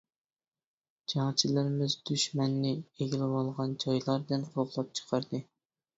جەڭچىلىرىمىز دۈشمەننى ئىگىلىۋالغان جايلاردىن قوغلاپ چىقاردى.